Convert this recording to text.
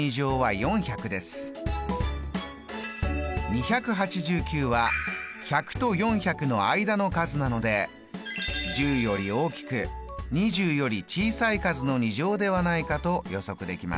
２８９は１００と４００の間の数なので１０より大きく２０より小さい数の２乗ではないかと予測できます。